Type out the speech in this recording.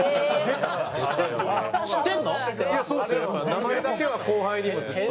名前だけは後輩にもずっと。